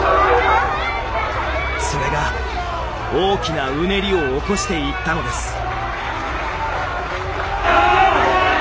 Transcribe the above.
それが大きなうねりを起こしていったのです。